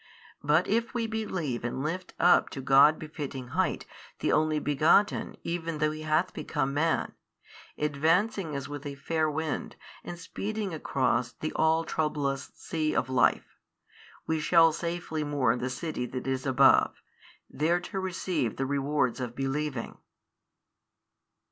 But if we believe and lift up to God befitting height the Only Begotten even though He hath become Man, advancing as with a fair wind and speeding across the all troublous sea of life, we shall safe moor in the city that is above, there to receive the rewards of believing.